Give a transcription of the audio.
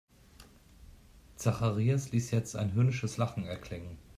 Zacharias ließ jetzt ein höhnisches Lachen erklingen.